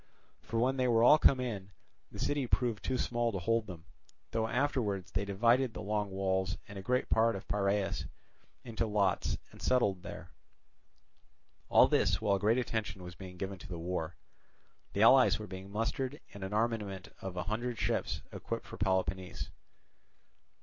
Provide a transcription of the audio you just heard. For when they were all come in, the city proved too small to hold them; though afterwards they divided the Long Walls and a great part of Piraeus into lots and settled there. All this while great attention was being given to the war; the allies were being mustered, and an armament of a hundred ships equipped for Peloponnese.